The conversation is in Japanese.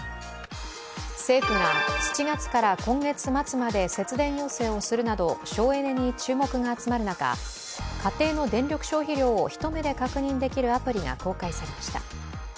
政府が７月から今月末まで節電要請をするなど省エネに注目が集まる中家庭の電力消費量を一目で確認できるアプリが公開されました。